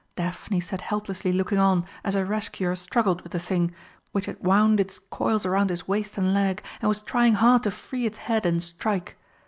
Daphne sat helplessly looking on as her rescuer struggled with the thing, which had wound its coils round his waist and leg, and was trying hard to free its head and strike.